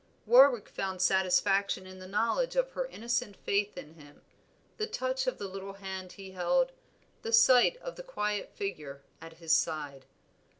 Warwick found satisfaction in the knowledge of her innocent faith in him, the touch of the little hand he held, the sight of the quiet figure at his side.